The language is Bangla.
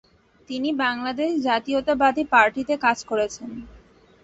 তিনি বাংলাদেশ জাতীয়তাবাদী পার্টিতে কাজ করেছেন।